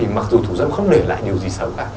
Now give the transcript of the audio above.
mặc dù thủ dâm không để lại điều gì xấu cả